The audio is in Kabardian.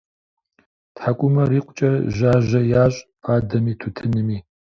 ТхьэкӀумэр икъукӀэ жьажьэ ящӀ фадэми тутынми.